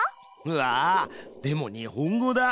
うわでも日本語だ。